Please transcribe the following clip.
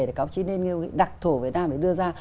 thì các ông chí nên đặc thủ việt nam để đưa ra